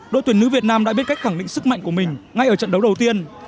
đội tuyển nữ việt nam đã biết cách khẳng định sức mạnh của mình ngay ở trận đấu đầu tiên